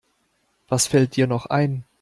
Was fällt dir noch ein?